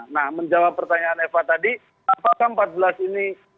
nah menjawab pertanyaan eva tadi apakah empat belas ini